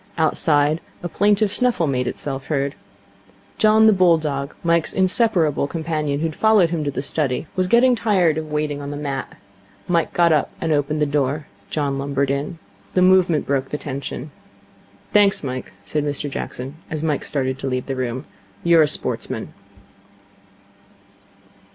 Outside, a plaintive snuffle made itself heard. John, the bull dog, Mike's inseparable companion, who had followed him to the study, was getting tired of waiting on the mat. Mike got up and opened the door. John lumbered in. The movement broke the tension. 'Thanks, Mike,' said Mr Jackson, as Mike started to leave the room, 'you're a sportsman.'